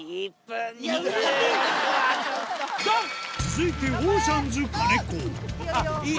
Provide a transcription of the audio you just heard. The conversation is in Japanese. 続いてオーシャンズ金子いい！